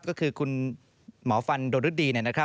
ก็คือคุณหมอฟันโดนฤดี